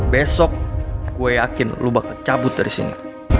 besok gue yakin lo bakal cabut dari sini